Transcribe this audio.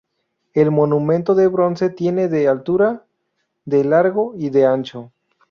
El monumento de bronce tiene de altura, de largo y de ancho.